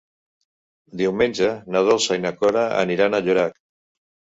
Diumenge na Dolça i na Cora aniran a Llorac.